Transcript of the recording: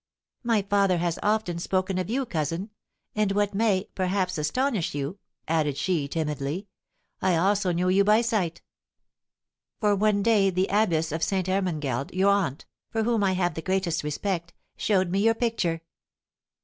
"My father has often spoken of you, cousin; and what may, perhaps, astonish you," added she, timidly, "I also knew you by sight; for one day the Abbess of Ste. Hermangeld, your aunt, for whom I have the greatest respect, showed me your picture."